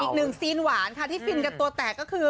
อีกหนึ่งซีนหวานค่ะที่ฟินกันตัวแตกก็คือ